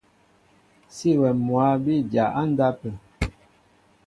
Sí awɛm mwǎ bí dya á ndápə̂.